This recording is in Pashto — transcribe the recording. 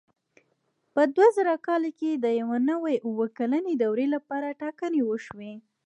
په دوه زره کال کې د یوې نوې اووه کلنې دورې لپاره ټاکنې وشوې.